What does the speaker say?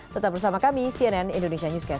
tetap bersama kami cnn indonesia newscast